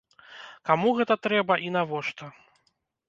Каму гэта трэба і навошта?